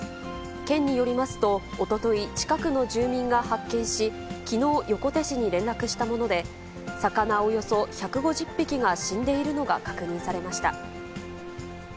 県によりますと、おととい、近くの住民が発見し、きのう、横手市に連絡したもので、魚およそ１５０匹が死んでいるのが確認されました。